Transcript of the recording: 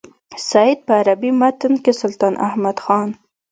سید په عربي متن کې سلطان احمد خان.